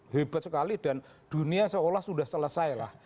hebat sekali dan dunia seolah sudah selesai lah